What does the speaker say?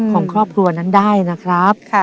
ของครอบครัวนั้นได้นะครับ